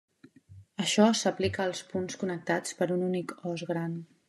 Això s'aplica als punts connectats per un únic os gran.